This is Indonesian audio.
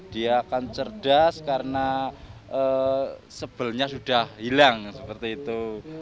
dia akan cerdas karena sebelnya sudah hilang seperti itu